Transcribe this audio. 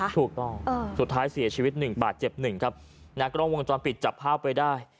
ถูกต้องสุดท้ายเสียชีวิตหนึ่งบาดเจ็บหนึ่งครับนะกล้องวงจรปิดจับภาพไว้ได้